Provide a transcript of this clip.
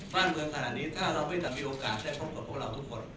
บ้านเมืองขนาดนี้ถ้าเราไม่จัดมีโอกาสได้พบกับพวกเราทุกคน